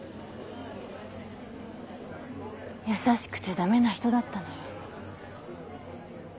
優しくて駄目な人だったのよ。